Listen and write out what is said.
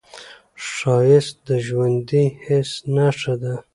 ښایست د ژوندي حس نښه ده